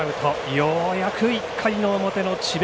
ようやく１回の表智弁